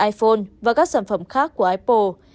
iphone và các sản phẩm khác của apple